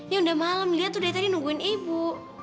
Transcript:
ya udah malem liat tuh dari tadi nungguin ibu